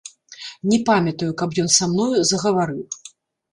Не памятаю, каб ён са мною загаварыў.